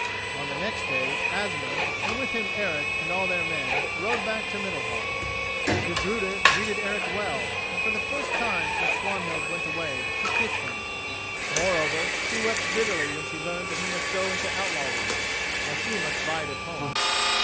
On the next day, Asmund, and with him Eric and all their men, rode back to Middalhof. Gudruda greeted Eric well, and for the first time since Swanhild went away she kissed him. Moreover, she wept bitterly when she learned that he must go into outlawry, while she must bide at home.